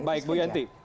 baik bu yanti